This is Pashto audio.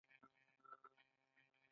جامع لیدلوری په دې توګه ترلاسه کیږي.